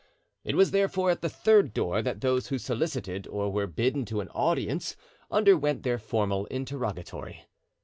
It was therefore at the third door that those who solicited or were bidden to an audience underwent their formal interrogatory.